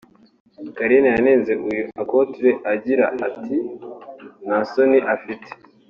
Caroline yanenze uyu Akothee agira ati “Nta soni ufite